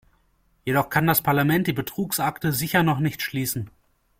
Jedoch kann das Parlament die Betrugsakte sicher noch nicht schließen.